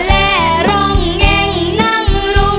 และทุกเตอร์งิยี่รัว